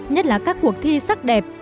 nhất là các cuộc thi sắc đẹp